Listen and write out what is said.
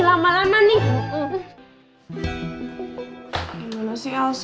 mbak kenapa kita enggak langsung ke dokter aja